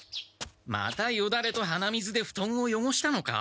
またよだれと鼻水でふとんをよごしたのか？